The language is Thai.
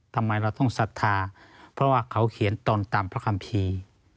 ทำไมเราต้องศรัทธาเพราะว่าเขาเขียนตนตามพระคัมภีร์